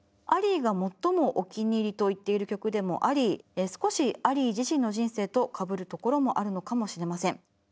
アリーが最もお気に入りと言っている曲でもあり少しアリー自身の人生とかぶるところもあるのかもしれません。